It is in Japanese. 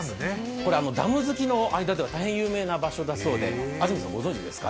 これはダム好きの間では大変有名な場所だそうで、安住さん、ご存じですか？